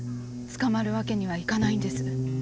捕まるわけにはいかないんです。